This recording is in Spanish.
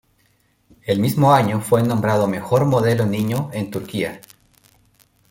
El mismo año, fue nombrado Mejor Modelo Niño en Turquía.